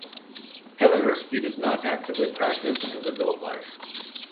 However, he does not actively practice in his adult life.